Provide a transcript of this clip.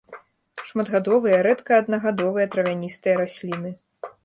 Шматгадовыя, рэдка аднагадовыя, травяністыя расліны.